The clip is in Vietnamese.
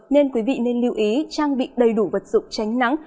nên quý vị nên lưu ý trang bị đầy đủ vật dụng tránh nắng